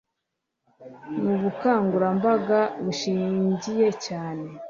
mu bukangurambaga bushingiye cyane